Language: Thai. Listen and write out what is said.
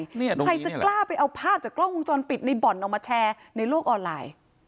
นี่ตรงนี้นี่แหละใครจะกล้าไปเอาภาพจากกล้องวงจรปิดในบ่อนออกมาแชร์ในโลกออนไลน์